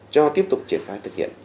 cho tiếp tục triển khai thực hiện